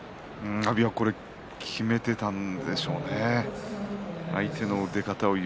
阿炎は決めていったんでしょうね。